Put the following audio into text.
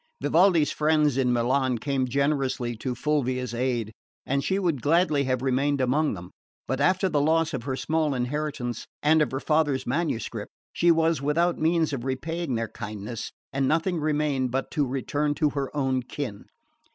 Vivaldi's friends in Milan came generously to Fulvia's aid, and she would gladly have remained among them; but after the loss of her small inheritance and of her father's manuscript she was without means of repaying their kindness, and nothing remained but to turn to her own kin.